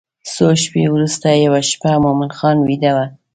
څو شپې وروسته یوه شپه مومن خان بیده و.